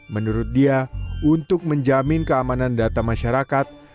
menurut dia untuk menjamin keamanan data masyarakat